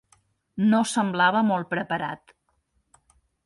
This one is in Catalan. No semblava molt preparat.